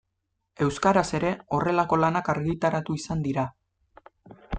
Euskaraz ere horrelako lanak argitaratu izan dira.